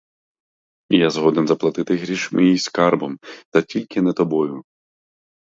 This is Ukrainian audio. Я згоден заплатити грішми й скарбом, та тільки не тобою.